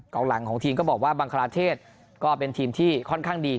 หลังของทีมก็บอกว่าบังคลาเทศก็เป็นทีมที่ค่อนข้างดี